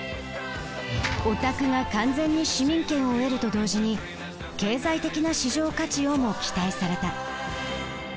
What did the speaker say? オタクが完全に市民権を得ると同時に経済的な市場価値をも期待された。